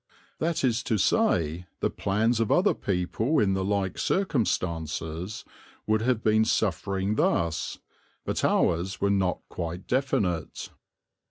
That is to say the plans of other people in the like circumstances would have been suffering thus, but ours were not quite definite.